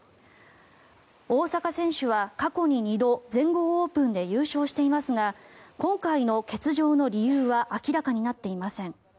大坂選手は過去に２度全豪オープンで優勝していますが今回の欠場の理由は明らかになっていません。